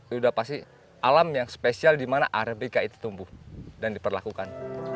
sudah pasti alam yang spesial di mana arbica itu tumbuh dan diperlakukan